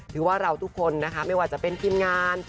ถือว่าเราทุกคนนะคะไม่ว่าจะเป็นทีมงาน